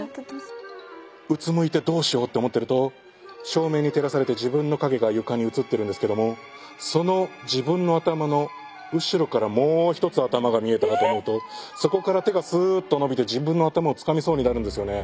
うつむいてどうしようって思ってると照明に照らされて自分の影が床に映ってるんですけどもその自分の頭の後ろからもう一つ頭が見えたかと思うとそこから手がスーッと伸びて自分の頭をつかみそうになるんですよね。